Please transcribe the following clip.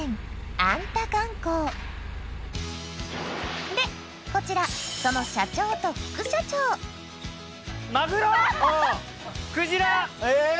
アンタ観光でこちらその社長と副社長うん！